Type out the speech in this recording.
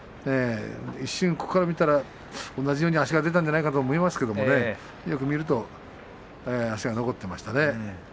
一瞬、ここから見たら同じように足が出たんじゃないかなと思いますけれどもよく見ると足が残っていましたね。